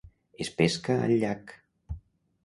Es pesca al llac.